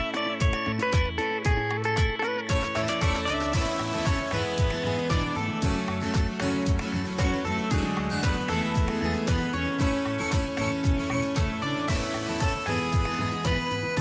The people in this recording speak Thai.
โปรดติดตามตอนต่อไป